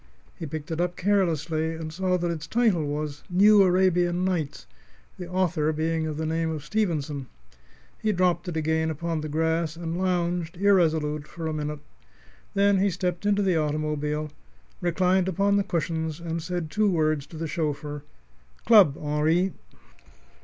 He picked it up carelessly, and saw that its title was "New Arabian Nights," the author being of the name of Stevenson. He dropped it again upon the grass, and lounged, irresolute, for a minute. Then he stepped into the automobile, reclined upon the cushions, and said two words to the chauffeur: "Club, Henri."